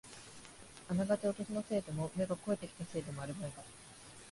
あながちお年のせいでも、目が肥えてきたせいでもあるまいが、